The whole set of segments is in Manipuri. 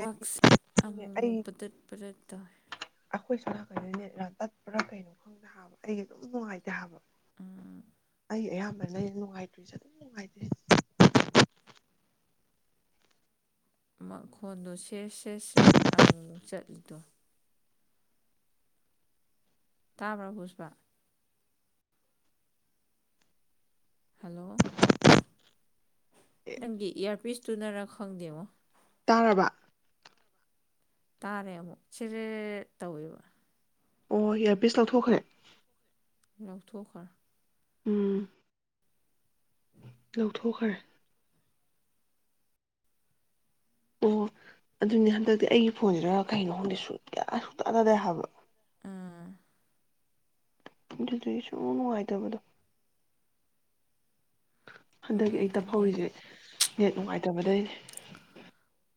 ꯋꯥꯛꯁ ꯁꯨꯅꯦ ꯑꯃꯃꯨꯛ ꯑꯩ ꯄꯗꯠ ꯄꯗ꯭ꯔꯠ ꯇꯥꯏ ꯑꯩꯈꯣꯏ ꯁꯣꯝ ꯇꯠꯄ꯭ꯔꯥ ꯀꯩꯅꯣ ꯈꯪꯗ ꯍꯥꯕ ꯑꯩꯒꯤ ꯑꯗꯨꯝ ꯅꯨꯡꯉꯥꯏꯇꯦ ꯍꯥꯏꯕ ꯎꯝ ꯑꯩ ꯑꯗꯨꯃꯥꯏꯅ ꯅꯨꯡꯉꯥꯏꯇ꯭ꯔꯤꯁꯦ ꯑꯗꯨꯝ ꯅꯨꯡꯉꯥꯏꯇ꯭ꯔꯦ ꯃꯈꯣꯟꯗꯨ ꯁꯦꯠ ꯁꯦꯠ ꯁ꯭ꯔꯦꯠ ꯑꯃꯨꯛꯃꯨꯛ ꯆꯠꯂꯤꯗꯣ ꯇꯥꯕ꯭ꯔꯥ ꯄꯨꯁꯄꯥ ꯍꯂꯣ ꯅꯪꯒꯤ ꯏꯌꯥꯔ ꯄꯤꯁ ꯇꯨꯅꯔꯈꯣꯡꯗꯑꯣ ꯇꯥꯔꯕ ꯇꯥꯔꯦ ꯑꯃꯨꯛ ꯁꯤꯔꯦ ꯇꯧꯋꯦꯕ ꯑꯣ ꯏꯌꯥꯔꯄꯤꯁ ꯂꯧꯊꯣꯛꯈ꯭ꯔꯦ ꯌꯥꯎꯊꯣ ꯈꯔ ꯎꯝ ꯌꯥ ꯊ ꯑꯣꯈꯔ ꯑꯣ ꯑꯗꯨꯅꯦ ꯍꯟꯗꯛꯇꯤ ꯑꯩꯒꯤ ꯐꯣꯟꯁꯤꯗ ꯀꯩꯅꯣ ꯈꯪꯗꯤꯦ ꯁꯨꯡ ꯀꯌꯥ ꯁꯨꯛꯇ ꯇꯥꯗꯦ ꯍꯥꯏꯕ ꯑꯥ ꯁꯨ ꯋꯥꯥꯏꯗ ꯃꯗ ꯍꯟꯗꯛꯀꯤ ꯑꯩ ꯅꯨꯡꯉꯥꯏꯇꯦꯅꯦ ꯇꯍꯧꯔꯤꯁꯦ ꯍ ꯅꯨꯡꯉꯥꯏꯇꯕꯗꯩ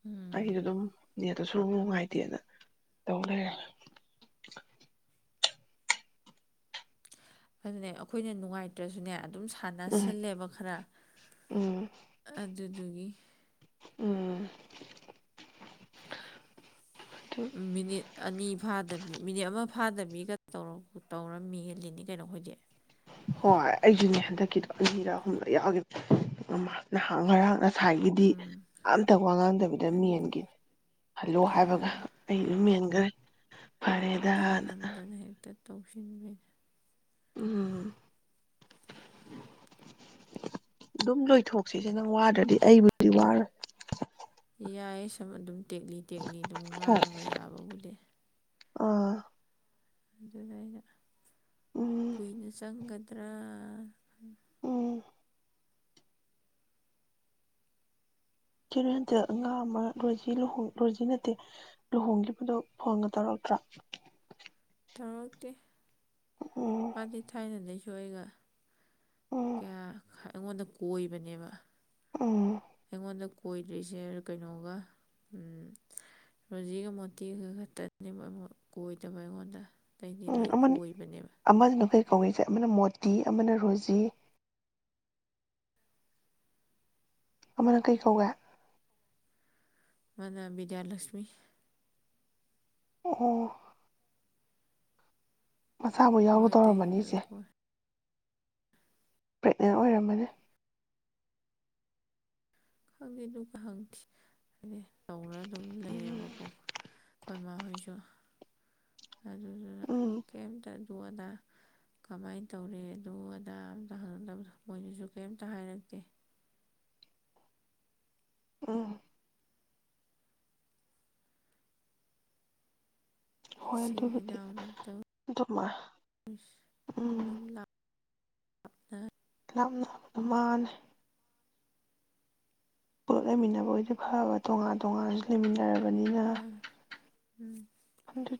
ꯎꯝ ꯀꯗꯗꯃ ꯑꯗꯨꯁꯨ ꯅꯨꯡꯉꯥꯏꯇꯦꯅ ꯇꯧ ꯂꯩꯔꯦ ꯑꯗꯨꯅꯦ ꯑꯩꯈꯣꯏꯅ ꯅꯨꯡꯉꯥꯏꯇ꯭ꯔꯁꯨꯅꯦ ꯑꯗꯨꯝ ꯎꯝ ꯁꯥꯟꯅꯁꯤꯜꯂꯦꯕ ꯈꯔ ꯎꯝ ꯑꯗꯨꯗꯨꯒꯤ ꯎꯝ ꯑꯗꯨ ꯃꯤꯅꯤꯠ ꯑꯅꯤ ꯐꯥꯗꯕꯤ ꯃꯤꯅꯦ ꯑꯃ ꯐꯥꯗꯕꯤꯒꯧ ꯇꯧꯔꯃꯤ ꯍꯦꯜꯂꯤꯅꯤ ꯀꯩꯅꯣꯈꯣꯏꯗꯤ ꯍꯣꯏ ꯑꯩꯁꯨꯅꯦ ꯍꯟꯗꯛꯀꯤꯗꯣ ꯑꯅꯤꯔ ꯑꯍꯨꯝꯂꯛ ꯌꯥꯎꯈꯤ ꯅꯍꯥꯟ ꯉꯔꯥꯡ ꯉꯁꯥꯏꯒꯤꯗꯤ ꯎꯝ ꯑꯝꯇ ꯋꯥ ꯉꯥꯡꯗꯕꯤꯗ ꯑꯗꯨ ꯃꯦꯟꯈꯤꯅꯤ ꯍꯜꯂꯣ ꯍꯥꯏꯕꯒ ꯑꯥ ꯑꯩꯁꯨꯦꯟ [inaudible] ꯅꯝ ꯅꯝꯗꯅ ꯍꯦꯛꯇ ꯇꯧꯁꯤꯟꯒꯅ ꯎꯝ ꯑꯗꯨꯝ ꯂꯣꯏꯊꯣꯛꯁꯤꯁꯦ ꯅꯪ ꯋꯥꯗ꯭ꯔꯗꯤ ꯑꯩꯕꯨꯗꯤ ꯋꯥꯔꯣꯏ ꯌꯥꯏ ꯁꯨꯝ ꯑꯗꯨꯝ ꯇꯦꯛꯂꯤ ꯇꯦꯛꯂꯤ ꯑꯗꯨꯝ ꯉꯥꯡꯉꯒ ꯌꯥꯕ ꯎꯠꯂꯦ ꯑꯥ ꯑꯗꯨꯗꯩꯅ ꯎꯝ ꯀꯨꯏꯅ ꯆꯪꯒꯅꯤ ꯇꯔ ꯎꯝ ꯀꯦꯔꯣ ꯍꯟꯇꯛ ꯑꯉꯥꯡ ꯑꯃ ꯔꯣꯖꯤ ꯔꯣꯖꯤ ꯅꯠꯇꯦ ꯂꯨꯍꯣꯡꯈꯤꯕꯗꯨꯣ ꯐꯪꯉ ꯇꯧꯔꯛꯇ꯭ꯔꯥ ꯇꯥꯛꯇ ꯎꯝ ꯃꯥꯗꯤ ꯊꯥꯏꯅꯗꯩ ꯅꯣꯏꯒꯥ ꯎꯝ ꯀꯌꯥ ꯑꯩꯉꯣꯟꯗ ꯀꯣꯏꯕꯅꯦꯕ ꯎꯝ ꯑꯩꯉꯣꯟꯗ ꯀꯣꯏꯗ꯭ꯔꯤꯁꯦ ꯀꯩꯅꯣꯒ ꯔꯣꯖꯤꯒ ꯃꯣꯇꯤꯒ ꯈꯛꯇꯅꯤ ꯀꯣꯏꯗꯕ ꯑꯩꯉꯣꯟꯗ ꯑꯇꯩꯗꯤ ꯂꯣꯏ ꯀꯣꯏꯕꯅꯦꯕ ꯀꯣꯏꯁꯦ ꯑꯃꯅ ꯃꯣꯇꯤ ꯑꯃꯅ ꯔꯣꯖꯤ ꯑꯃꯅ ꯀꯩ ꯀꯧꯋꯦ ꯃꯅ ꯕꯤꯗ꯭ꯌꯥꯂꯛꯁꯃꯤ ꯑꯣ ꯃꯆꯥꯥꯕꯨ ꯌꯥꯎꯅ ꯃꯣꯏ ꯑꯇꯩꯗꯤ ꯇꯧꯔꯝꯃꯅꯤ ꯂꯣꯏ ꯏꯆꯦ ꯀꯣꯏ ꯄ꯭ꯔꯦꯛꯅꯦꯟ ꯑꯣꯏꯔꯝꯃꯅꯤ ꯈꯪꯗꯦ ꯑꯗꯨꯒ ꯍꯪꯗꯦ ꯎꯝ ꯑꯩꯈꯣꯏ ꯃꯥ ꯍꯣꯏꯁꯨ ꯑꯗꯨꯗꯨꯅ ꯎꯝ ꯀꯝꯇ ꯑꯗꯨ ꯑꯗꯥ ꯀꯃꯥꯏꯅ ꯇꯧꯔꯦ ꯑꯗꯨ ꯑꯗꯥ ꯑꯇ ꯍꯪꯉꯗꯕꯗꯣ ꯃꯣꯏꯗꯨꯁꯨ ꯀꯔꯤꯝꯇ ꯍꯥꯏꯔꯛꯇꯦ ꯑ ꯍꯣꯏ ꯏꯆꯤꯟ ꯑꯗꯨꯕꯨꯗꯤ ꯏꯅꯥꯎꯅꯤ ꯑꯗꯨꯃꯥꯏ ꯎꯝ ꯂꯞꯅ ꯂꯞꯅ ꯃꯥꯥꯟꯅ ꯄꯨꯂꯞ ꯂꯩꯃꯤꯟꯅꯕ ꯑꯣꯏꯗꯤ ꯐꯕ ꯇꯣꯉꯥꯟ ꯇꯣꯉꯥꯟꯁꯨ ꯂꯩꯃꯤꯟꯅ ꯌꯥꯔꯕꯅꯤꯅ ꯑꯗꯨ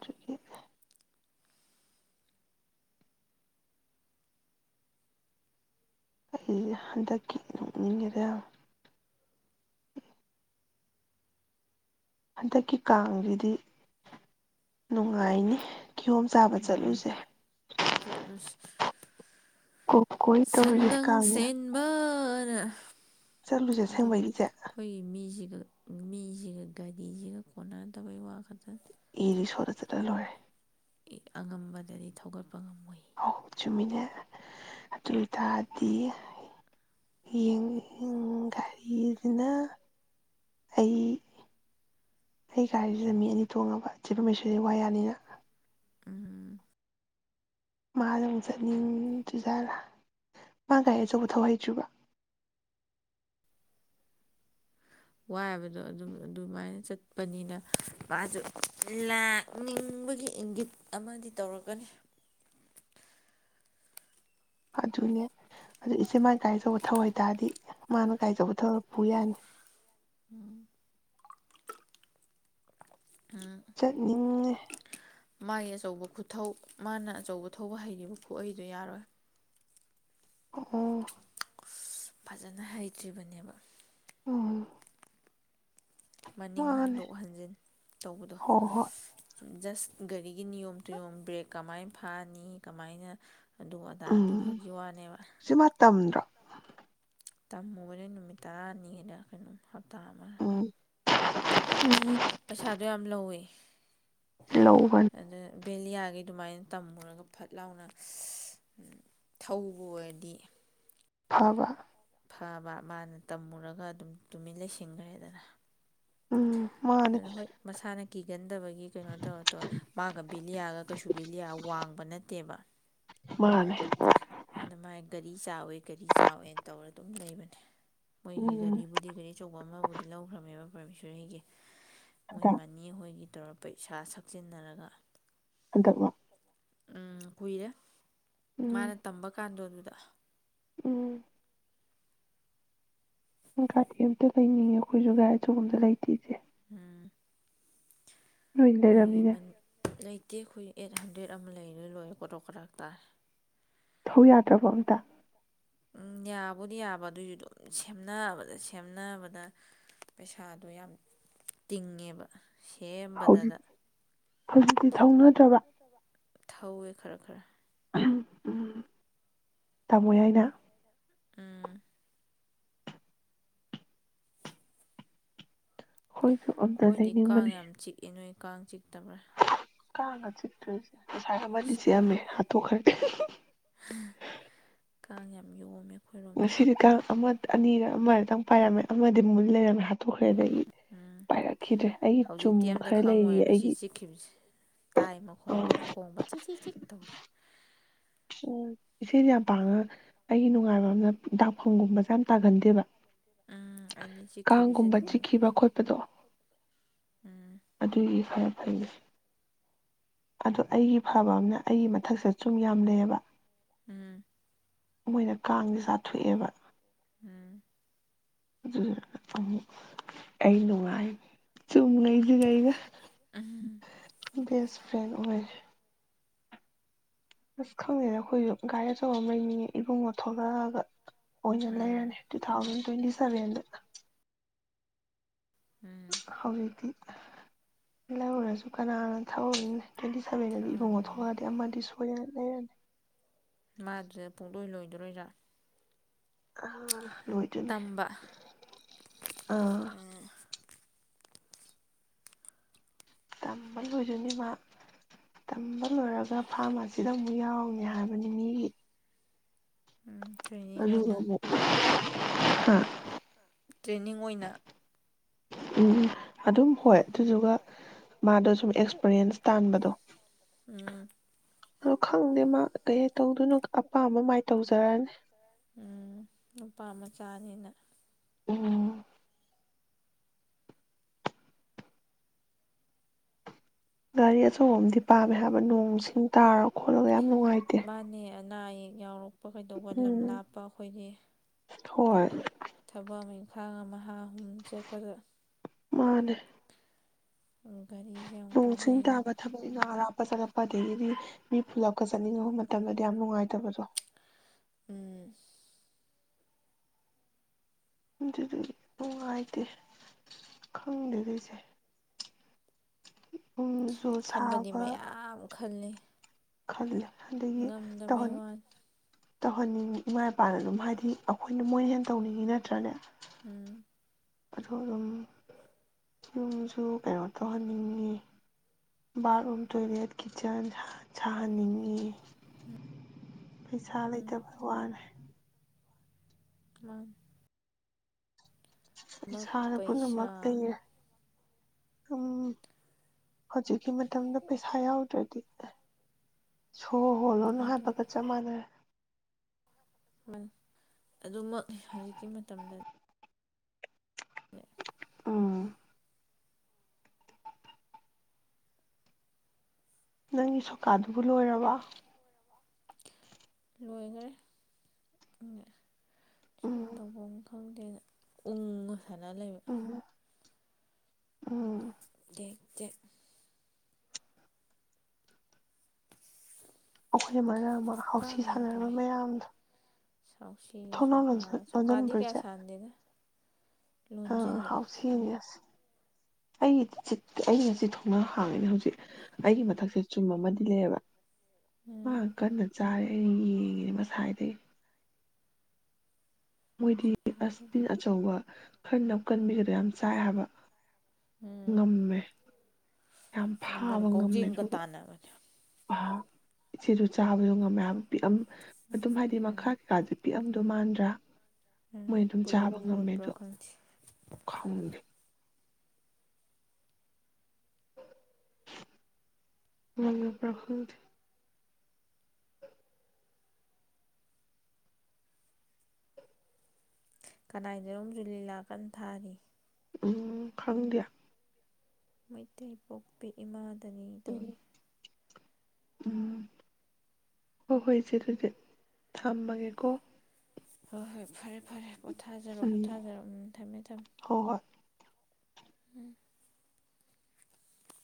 ꯑꯩꯁꯦ ꯍꯟꯗꯛꯀꯤ ꯅꯣꯛꯅꯤꯡꯉꯔꯦꯕ ꯍꯟꯗꯛꯀꯤ ꯀꯥꯡꯁꯤꯗꯤ ꯅꯨꯡꯉꯥꯏꯅꯤ ꯀꯤꯌꯣꯝ ꯆꯥꯕ ꯎꯝ ꯆꯠꯂꯨꯁꯦ ꯆꯠꯂꯨꯁꯤ ꯀꯣꯏ ꯇꯧ ꯀꯥꯗ ꯑ ꯆꯠꯂꯨꯁꯦ ꯁꯦꯡꯕꯩ ꯆꯦ ꯑꯗꯨꯒ ꯃꯤꯁꯤꯒ ꯒꯥꯔꯤꯁꯤꯒ ꯀꯣꯟꯅ ꯇꯕꯩ ꯋꯥ ꯈꯛꯇꯅꯤ ꯏ ꯔꯤꯛꯁꫭ ꯗ ꯆꯠꯂ ꯂꯣꯏꯔꯦ ꯑꯉꯝꯕꯗꯗꯤ ꯊꯧꯒꯠꯄ ꯉꯝ ꯑ ꯆꯨꯝꯃꯤꯅꯦ ꯑꯗꯨ ꯑꯣꯏ ꯇꯔꯗꯤ ꯌꯦꯡ ꯒꯥꯔꯤꯁꯤꯅ ꯑꯩ ꯑꯩ ꯒꯥꯔꯤꯁꯤꯗ ꯃꯤ ꯑꯅꯤ ꯇꯣꯡꯉꯕ ꯆꯦ ꯄꫪꯃꯦꯁꫭꫪꯤꯁꯤ ꯋꯥꯏ ꯌꯥꯅꯤꯅ ꯎꯝ ꯃꯥ ꯑꯗꯨꯝ ꯆꯠꯅꯤꯡ ꯆꯖꯥꯔꯥ ꯃꯥ ꯒꯥꯔꯤ ꯑꯆꯧꯕ ꯊꯧ ꯍꯩꯇ꯭ꯔꯤꯕ ꯋꯥꯕꯗꯣ ꯑꯗꯨꯝ ꯑꯗꯨꯃꯥꯏꯅ ꯆꯠꯄꯅꯤꯅ ꯃꯥꯁꯨ ꯂꯥꯛꯅꯤꯡꯕꯒꯤ ꯏꯪꯒꯤꯠ ꯑꯃꯗꯤ ꯇꯧꯔꯛꯀꯅꯤ ꯑꯗꯨꯅꯦ ꯑꯗꯨ ꯏꯆꯦ ꯃꯥꯅ ꯀꯥꯏꯆꯧꯕ ꯊꯧ ꯍꯥꯏꯇꯥꯔꯗꯤ ꯃꯥꯅ ꯀꯥꯏꯆꯧꯕ ꯊꯧꯔꯄ ꯌꯥꯅꯤ ꯎꯝ ꯆꯠꯅꯤꯡꯉꯦ ꯃꯥꯒꯤ ꯑꯆꯧꯕ ꯈꯨꯊꯧ ꯃꯥꯅ ꯑꯆꯧꯕ ꯊꯧꯕ ꯍꯩꯔꯤꯕ ꯈꯨꯠꯍꯩꯗꫭ ꯌꯥꯔꯣꯏ ꯑꫭ ꯑꫭ ꯑꯁ ꯐꯖꯅ ꯍꯩꯇ꯭ꯔꯤꯕꯅꯦꯕ ꯎꯝ ꯃꯅꯤꯡ ꯃꯥꯅꯦ ꯍꯟꯗꯣꯛ ꯍꯟꯖꯤꯟ ꯇꯧꯕꯗꯣ ꯍꯣꯏ ꯍꯣꯏ ꯖꯁ ꯒꯥꯔꯤꯒꯤ ꯅꯤꯌꯣꯝ ꯆꯨꯌꯣꯝ ꯕ꯭ꯔꯦꯛ ꯀꯃꯥꯏꯅ ꯐꯥꯅꯤ ꯀꯃꯥꯏꯅ ꯑꯗꯨ ꯑꯗꯥ ꯎꯝ ꯑꯗꯨꯈꯛꯒꯤ ꯋꯥꯅꯦꯕ ꯁꯤ ꯃꯥ ꯇꯝꯗ꯭ꯔꯣ ꯇꯝꯃꯨꯕꯅꯦꯔ ꯅꯨꯃꯤꯠ ꯇꯥꯅꯤꯒꯤꯔ ꯍꯞꯇꯥ ꯑꯃ ꯎꯝ ꯎꯝ ꯄꯩꯁꯥꯗꯣ ꯌꯥꯝ ꯂꯧꯏ ꯂꯧꯕꯅꯦ ꯕꯦꯂꯤꯌꯥꯒꯤ ꯑꯗꯨꯃꯥꯏꯅ ꯇꯝꯃꯨꯔꯒ ꯐꯠ ꯂꯥꯎꯅ ꯊꯧꯕ ꯑꯣꯏꯔꯗꯤ ꯐꯕ ꯐꯕ ꯃꯥꯅ ꯇꯝꯃꯨꯔꯒ ꯑꯗꯨꯝ ꯇꯨꯃꯤꯟ ꯂꯩꯁꯤꯟꯈ꯭ꯔꯦꯗꯅ ꯎꯝ ꯃꯥꯅꯦ ꯑꯗꯨꯅ ꯍꯣꯏ ꯃꯁꯥꯅ ꯀꯤꯒꯟꯗꯕꯒꯤ ꯀꯩꯅꯣ ꯇꯧꯔ ꯇꯧ ꯃꯥꯒ ꯕꯦꯂꯤꯌꯥꯒ ꯀꯩꯁꯨ ꯕꯦꯂꯤꯌꯥ ꯋꯥꯡꯕ ꯅꯠꯇꯦꯕ ꯃꯥꯅꯦ ꯑꯗꯨꯃꯥꯏ ꯒꯥꯔꯤ ꯆꯥꯎꯋꯦ ꯒꯥꯔꯤ ꯆꯥꯎꯋꯦꯅ ꯇꯧꯔꯒ ꯑꯗꯨꯝ ꯂꯩꯕꯅꯦ ꯃꯣꯏꯒꯤ ꯎꯝ ꯒꯥꯔꯤꯕꯨꯗꯤ ꯒꯥꯔꯤ ꯑꯆꯧꯕ ꯑꯃꯕꯨꯗꯤ ꯂꯧꯈ꯭ꯔꯃꯦꯕ ꯄꯃꯦꯁꯣꯔꯤꯒꯤ꯫ ꯍꯟꯗꯛ ꯃꯣꯏꯃꯅꯤ ꯍꯣꯏꯒꯤ ꯇꯧꯔ ꯄꯩꯁꯥ ꯁꯛꯆꯤꯟꯅꯔꯒ ꯍꯗꯛ ꯋꯥ ꯎ ꯀꯨꯔꯦ ꯃꯥꯅ ꯎꯝ ꯇꯝꯕ ꯀꯥꯟꯗꯣ ꯑꯗꯨ ꯗ ꯎꯝ ꯒꯔꯤ ꯑꯝꯇ ꯂꯩꯅꯤꯡꯉꯦ ꯑꯩꯈꯣꯏꯁꯨ ꯒꯥꯥꯏ ꯑꯆꯧꯕꯝꯗ ꯂꯩꯇꯔꯤꯁꯦ ꯎꯝ ꯅꯣꯏ ꯃꯣꯏꯒꯤ ꯂꯩꯔꯕꯅꯤꯅ ꯂꯩ ꯇꯦ ꯑꯩꯈꯣꯏ ꯑꯩꯠ ꯍꯟꯗ꯭ꯔꯦꯗ ꯑꯃ ꯂꯩꯔ ꯂꯣꯏꯔꯦ ꯀꯔꯣꯛ ꯀꯔꯥꯛ ꯇꯥꯔꯦ ꯊꯧ ꯌꯥꯗ꯭ꯔꯕ ꯑꯝꯇ ꯎꯝ ꯌꯥꯕꯨꯗꯤ ꯌꯥꯕ ꯑꯗꯨꯁꯨ ꯑꯗꯨꯝ ꯁꯦꯝꯅꯕꯗ ꯁꯦꯝꯅꯕꯗ ꯄꯩꯁꯥꯗꯣ ꯌꯥꯝ ꯇꯤꯡꯉꯦꯕ꯫ ꯍꯧ ꯁꯦꯝꯕꯗꯗ ꯍꯧꯖꯤꯛꯇꯤ ꯊꯧꯅꯗ꯭ꯔꯕ ꯊꯧꯋꯦ ꯈꯔ ꯈꯔ ꯇꯥꯃꯣ ꯌꯥꯏꯅ ꯎꯝ ꯑꯩꯈꯣꯏꯁꯨ ꯑꯝꯇ ꯑꯩꯈꯣꯏꯗꯤ ꯀꯥꯡ ꯂꯩꯅꯤꯡꯕꯅꯤ ꯌꯥꯝ ꯆꯤꯛꯑꯦ ꯅꯣꯏ ꯀꯥꯡ ꯆꯤꯛꯇꯕ꯭ꯔꯥ ꯀꯪ ꯒꯥ ꯆꯤꯛꯇꯔꯦ ꯉꯁꯥꯏ ꯑꯃꯗꯤ ꯑꯁ ꯆꯤꯛꯑꯝꯃꯦ ꯀꯥꯡ ꯍꯥꯠꯇꯣꯛꯈꯔꯦ ꯫ ꯀꯥꯡ ꯌꯥꯝ ꯌꯣꯝꯃꯦ ꯑꯩꯈꯣꯏꯔꯣꯝꯗꯤ ꯉꯁꯤꯗꯤ ꯇꯥꯪ ꯑꯃ ꯑꯅꯤꯔ ꯑꯃꯗꯪ ꯄꯥꯏꯔꯝꯃꯦ ꯑꯃꯗꯤ ꯃꯨꯟ ꯂꯩꯔꯝꯃꯦ ꯍꯥꯏ ꯎ ꯑꯩꯒꯤ ꯆꯨꯝ ꯍꯧꯖꯤꯛꯇꯤ ꯑ ꯑꯃꯝꯇ ꯈꯔ ꯂꯩꯔꯤꯌꯦ ꯈꯪꯉꯣꯏꯕ ꯑꯩꯒꯤ ꯁꯤ ꯆꯤꯛꯈꯤꯕꯁꯤ ꯇꯥꯏ ꯃꯈꯣꯟ ꯎꯝ ꯈꯣꯡꯕ ꯆꯤꯛ ꯆ ꯆꯤꯛ ꯇꯧ ꯑꯣ ꯏꯆꯦꯁꯦ ꯌꯥꯝ ꯄꯥꯡꯉ ꯑꯩꯒꯤ ꯅꯨꯡꯉꯥꯏꯕ ꯑꯃꯅ ꯗꯥꯛꯐꯝꯒꯨꯝꯕꯁꯦ ꯌꯥꯝ ꯇꯥꯒꯟꯗꯦꯕ ꯎꯝ ꯑꯩꯗꯤ ꯆꯤꯛꯈꯤꯕꯁꯦ ꯀꯥꯡꯒꯨꯝꯕ ꯑꯗꯨꯝ ꯆꯤꯛꯈꯤꯕ ꯈꯣꯠꯄꯗꯣ ꯎꯝ ꯑꯗꯨꯒꯤ ꯐꯔ ꯍꯥꯏ ꯑꯗꯣ ꯑꯩꯒꯤ ꯐꯕ ꯑꯃꯅ ꯑꯩꯒꯤ ꯃꯊꯛꯁꯤꯗ ꯆꯨꯝ ꯌꯥꯝ ꯂꯩꯑꯕ ꯎꯝ ꯃꯣꯏꯅ ꯀꯥꯡꯁꯦ ꯆꯥꯊꯣꯛꯑꯦꯕ ꯎꯝ ꯑꯩ ꯅꯨꯡꯉꯥꯏ ꯆꯨꯝꯃꯅꯁꯤꯒꯏꯒ ꯎꯝ ꯕꯁ ꯐ꯭ꯔꯅ ꯑꯣꯏꯔꯦ ꯑꯁ ꯈꯪꯗꯦꯗ ꯑꯩꯈꯣꯏꯁꯨ ꯒꯥꯥꯏꯔꯤ ꯑꯆꯧꯕ ꯑꯃ ꯂꯩꯅꯤꯡꯉꯦ ꯏꯕꯨꯡꯉꯣ ꯊꯣꯛꯂꯛꯑꯒ ꯑꯣꯏꯅ ꯂꯩꯔꯅꯤ ꯇꯨ ꯊꯥꯎꯖꯟ ꯇ꯭ꯋꯦꯟꯇꯤ ꯁꯕꯦꯟꯗ ꯎꯝ ꯎꯝ ꯍꯧꯖꯤꯛꯇꯤ ꯂꯩꯨꯔꯁꯨ ꯀꯅꯥꯅꯣ ꯊꯑꯣꯔꯤꯅꯦ ꯇ꯭ꯋꯦꯟꯇꯤ ꯁꯚꯦꯟ ꯏꯕꯨꯡꯣ ꯎꯝ ꯊꯂꯑꯗꯦꯗꯤꯁꯨ ꯍ ꯂꯩ ꯌꯥꯅꯤ ꯃꯥꯗꯨꯗ ꯄꯣꯛꯂꯣꯏ ꯂꯣꯏꯗꯔꯣꯏꯔꯥ ꯑ ꯑꯣꯏꯗꯣꯏꯅꯤ ꯇꯝꯕ ꯑꯥ ꯎꯝ ꯇꯝꯕ ꯂꯣꯏꯖꯅꯦꯕ ꯇꯝꯕ ꯂꯣꯏꯔꯒ ꯐꯥꯔꯃꯥꯁꯤꯗ ꯑꯃꯨꯛ ꯌꯥꯎꯔꯅꯤ ꯍꯥꯏꯕꯅꯤ ꯃꯤꯒꯤ ꯎꯝ ꯇ꯭ꯔꯦꯅꯤꯡ ꯑꯗꯨꯒ ꯑꯣꯏꯅ ꯑꯃꯨꯛ ꯑ ꯇ꯭ꯔꯦꯟꯅꯤꯡ ꯑꯣꯏꯅ ꯎꯝ ꯑꯗꯨꯝ ꯍꯣꯏ ꯑꯗꯨꯗꯨꯒ ꯃꯥꯗꯣ ꯁꯨꯝ ꯑꯦꯛꯁꯄꯔꯤꯌꯦꯟꯁ ꯇꯥꯟꯕꯗꯣ ꯎꯝ ꯑꯗꯣ ꯈꯪꯗꯦ ꯃꯥ ꯀꯩꯩ ꯇꯧꯗꯣꯏꯅꯣ ꯑꯄꯥꯝꯕ ꯃꯥꯏ ꯇꯧꯖꯔꯅꯤ ꯆꯥꯅꯤꯅ ꯎꯝ ꯒꯥꯔꯤꯁꯨ ꯑꯣꯝꯗꯤ ꯄꯥꯝꯃꯦ ꯍꯥꯏꯕ ꯅꯣꯡꯁꯤꯡ ꯇꯥꯔ ꯈꯣꯠꯂꯒ ꯌꯥꯝ ꯅꯨꯡꯉꯥꯏꯇꯦ ꯅꯥꯏꯌꯦ ꯌꯥꯎꯔ ꯂꯄ ꯀꯩꯗꯧꯕ ꯂꯝ ꯎꯝ ꯂꯥꯞꯄ ꯑꯩꯈꯣꯏꯒꯤ ꯍꯣꯏ ꯊꯕꯛ ꯑꯃ ꯏꯪꯈꯥꯡ ꯑꯃꯥ ꯑꯍꯨꯝ ꯆꯠꯄꯗ ꯃꯥꯅꯦ ꯒꯥꯔꯤꯁꯦ ꯌꯥꯝ ꯅꯣꯡ ꯁꯤꯡ ꯀꯥꯟꯅꯩꯌꯦꯕ ꯇꯥꯕ ꯊꯕꯛ ꯏꯅ ꯑꯔꯥꯞꯄ ꯆꯠꯂꯛꯄ ꯑꯗꯒꯤꯗꯤ ꯃꯤ ꯄꯨꯂꯞꯀ ꯆꯠꯅꯤꯡꯉꯕ ꯃꯇꯝꯗꯗꯤ ꯌꯥꯝ ꯅꯨꯡꯉꯥꯏꯇꯕꯗꯣ ꯎꯝ ꯑꯗꯨꯗꯤ ꯅꯨꯡꯉꯥꯏꯇꯦ ꯈꯪꯗꯦꯗꯣꯏꯁꯦ ꯈꯟꯕꯗꯤ ꯃꯌꯥꯝ ꯈꯜꯂꯤ ꯈꯪꯂ ꯑꯗꯒꯤ ꯉꯝꯗꯕꯩ ꯇꯧꯍꯟ ꯋꯥꯅꯤ ꯇꯧꯍꯟꯅꯤꯡꯉꯤ ꯏꯃꯥ ꯏꯄꯥꯅ ꯑꯗꯨꯝ ꯍꯥꯏꯗꯤ ꯑꯩꯈꯣꯏꯅ ꯃꯣꯏꯅ ꯍꯦꯟꯅ ꯇꯧꯅꯤꯡꯉꯤ ꯅꯠꯇ꯭ꯔꯅꯦ ꯎꯝ ꯑꯗꯨ ꯑꯗꯨꯝ ꯌꯨꯝꯁꯨ ꯀꯩꯅꯣ ꯇꯧꯍꯟꯅꯤꯡꯉꯤ ꯕꯥꯠꯔꯨꯝ ꯇꯣꯏꯂꯦꯠ ꯀꯤꯠꯆꯟ ꯁꯥꯍꯟꯅꯤꯡꯉꯤ ꯄꯩꯁꯥ ꯎꯝ ꯂꯩꯇꯕ ꯋꯥꯅꯦ ꯋꯥꯟ ꯏꯁꯥꯅ ꯄꯩꯁꯥ ꯄꯨꯝꯅꯃꯛꯇꯔꯦ ꯎꯝ ꯍꯧꯖꯤꯛꯀꯤ ꯃꯇꯝꯗ ꯄꯩꯁꯥ ꯌꯥꯎꯗ꯭ꯔꯗꯤ ꯁꯣ ꯍꯣꯜꯂꯣꯅꯨ ꯑꯗꯨ ꯍꯥꯏꯕꯒ ꯆꯞ ꯃꯥꯟꯅꯔꯦ ꯑꯗꯨꯃꯛꯅꯤ ꯍꯧꯖꯤꯛꯀꯤ ꯃꯇꯝꯗ ꯑꯥ ꯅꯪꯒꯤ ꯁꯧꯀꯥꯗꯨꯕꯨ ꯂꯣꯏꯔꯕ ꯂꯣꯏꯈꯔꯦ ꯎꯝ ꯆꯨꯔꯗ ꯨꯝꯒꯥ ꯎ ꯊ ꯂꯩ ꯎꯝ ꯎꯝ ꯌꯦ ꯆ ꯑꯩꯈꯣꯏ ꯑꯃ ꯑꯃ ꯍꯥꯎꯁꯤ ꯁꯥꯟꯅꯔꯕ ꯃꯌꯥꯝꯗꯣ ꯁꯥꯎꯁꯤ ꯊꯣꯡꯅꯥꯎ ꯁꯧꯥ ꯁꯧꯀꯥꯗꯤ ꯂꯣꯟꯁꯤꯟꯕ꯭ꯔꯣ ꯀꯌꯥ ꯏꯆꯦ ꯁꯥꯟꯗꯅ [unintelligible] ꯑꯩꯒꯤ [unintelligible] ꯆꯤꯊꯣꯡꯅꯥꯎ ꯍꯥꯡꯉꯤꯅꯤ ꯍꯧꯖꯤꯛ ꯑꯩꯒꯤ ꯃꯊꯛꯁꯦ ꯆꯨꯝ ꯑꯃꯗꯤ ꯂꯩꯌꯦꯕ ꯑ ꯎꯝ ꯀꯟꯅ ꯆꯥꯔꯦ ꯑꯩꯅ ꯌꯦꯡꯉꯤꯅꯦ ꯉꯁꯥꯏꯗꯩ ꯃꯣꯏꯗꯤ ꯑꯁꯕꯤꯟ ꯑꯆꯧꯕ ꯈꯔ ꯅꯞ ꯀꯟꯕꯤꯒꯗꯣ ꯌꯥꯝ ꯆꯥꯏ ꯍꯥꯏꯕ ꯉꯝꯃꯦ ꯌꯥꯝ ꯉꯝꯕꯅꯦ ꯀꯥꯎꯖꯦꯡꯒ ꯇꯥꯟꯅꯕꯅꯦ ꯑ ꯏꯆꯦꯁꯨ ꯆꯥꯕꯗꯣ ꯉꯝꯃꯦ ꯍꯥꯏꯕ ꯄꯤꯛꯑꯝ ꯑꯗꯨꯝ ꯍꯥꯏꯗꯤ ꯎꯝ ꯃꯈꯥ ꯀꯩꯀꯥꯥ ꯄꯤꯛꯑꯝꯗꯣ ꯃꯥꯟꯗ꯭ꯔꯥ ꯎꯝ ꯃꯣꯏ ꯑꯗꯨꯝ ꯄꯨꯂꯞ ꯆꯥꯕ ꯌꯣꯠꯄ꯭ꯔꯥ ꯉꯝꯃꯦꯗꯣ ꯈꯪꯗꯦ ꯈꯪꯗꯦ [unintelligible] ꯈꯪꯗꯦ ꯀꯅꯥꯏꯅꯣꯝꯁꯨ ꯂꯤꯂꯥ ꯀꯟ ꯊꯥꯔꯤ ꯎꯝ ꯈꯪꯗꯤꯌꯦ ꯃꯩꯇꯩ ꯄꯣꯛꯄꯤ ꯏꯃꯥ ꯇꯅꯤ ꯎꯝ ꯇꯧꯔꯤ ꯎꯝ ꯍꯣꯏ ꯍꯣꯏ ꯏꯆꯦ ꯑꯗꯨꯗꯤ ꯊꯝꯃꯒꯦꯀꯣ ꯍꯣꯏ ꯍꯣꯏ ꯐꯔꯦ ꯐꯔꯦ ꯄꯣꯊꯥꯖꯔꯣ ꯎꯝ ꯄꯣꯊꯥꯖꯔꯣ ꯎꯝ ꯊꯝꯃꯦ ꯊꯝꯃꯦ ꯍꯣꯏ ꯍꯣꯏ ꯎꯝ